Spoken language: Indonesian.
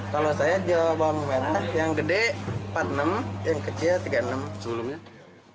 kalau saya jual bawang merah yang gede empat puluh enam yang kecil tiga puluh enam sebelumnya